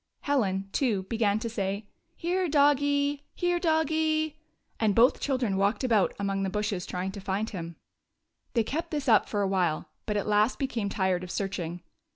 Helen, too, began to say :" Here, doggie ! Here, doggie !" and both children walked about among the bushes trying to find him. They kept this up for a while, but at last be came tired of searching.